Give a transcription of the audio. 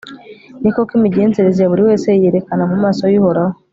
ni koko, imigenzereze ya buri wese yiyerekana mu maso y'uhoraho